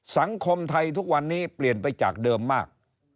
สังคมไทยทุกวันนี้เปลี่ยนไปจากเดิมมาก